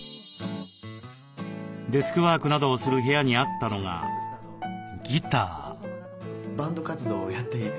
デスクワークなどをする部屋にあったのがギター。